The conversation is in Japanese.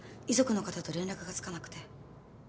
遺族の方と連絡がつかなくて。